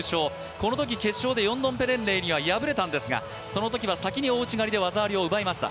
このとき決勝でヨンドンペレンレイには敗れたんですがそのときは先に大内刈りで技ありを奪いました。